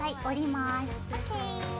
ＯＫ。